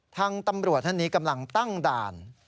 ทางตำรวจท่านนี้กำลังตั้งด่าน